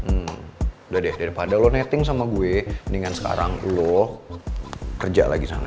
hmm udah deh daripada lo nething sama gue mendingan sekarang lo kerja lagi sana